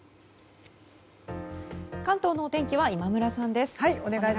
関東のお天気は今村さんです。